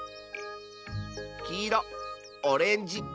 きいろオレンジ